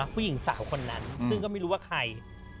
ผู้หญิงสาวคนนั้นซึ่งก็ไม่รู้ว่าใคร